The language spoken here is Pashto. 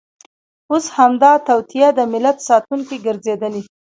اوس همدا توطیه د ملت ساتونکې ګرځېدلې.